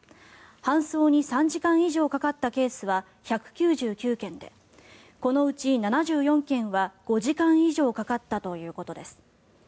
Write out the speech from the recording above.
搬送に３時間以上かかったケースは１９９件でこのうち７４件は５時間以上かかったということです。